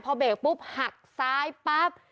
พอเบรกปุ๊บหักซ้ายปั๊บ